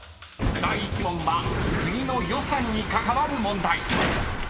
［第１問は国の予算に関わる問題］